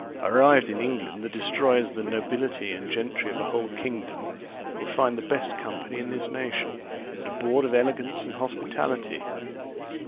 Arrived in England, the destroyers of the nobility and gentry of a whole kingdom will find the best company in this nation, at a board of elegance and hospitality.